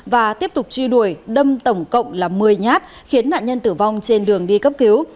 và tiếp tục truy đuổi đâm tổng cộng là một mươi nhát khiến nạn nhân tử vong trên đường đi cấp cứu